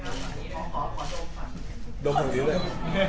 ขอโดมขวัญโดมขวัญด้วย